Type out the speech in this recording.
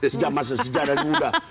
sejak masa sejarah muda